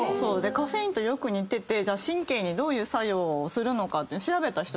カフェインとよく似てて神経にどういう作用をするのか調べた人がいるんですね。